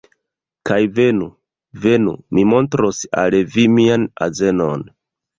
Kaj venu. Venu. Mi montros al vi mian azenon.